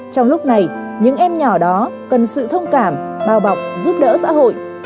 trong lúc này những em nhỏ đó cần sự thông cảm bao bọc giúp đỡ xã hội